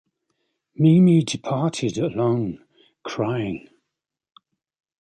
Mimi departed alone, crying.